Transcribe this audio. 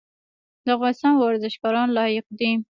د افغانستان ورزشکاران لایق دي